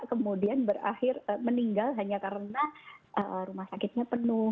kemudian berakhir meninggal hanya karena rumah sakitnya penuh